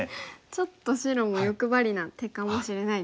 ちょっと白も欲張りな手かもしれないですね。